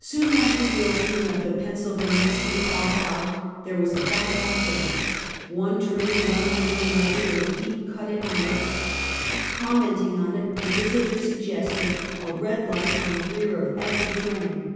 Soon after the opening of the Pa. 0. E,. P., there was a bad accident, one train running into another in a deep cut, at night; commenting on it the Visiter sug 158 Half a Centuey. gested a red light on the rear of every train.